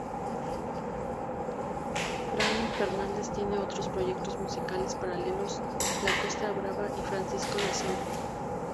Fran Fernández tiene otros proyectos musicales paralelos: La Costa Brava y Francisco Nixon.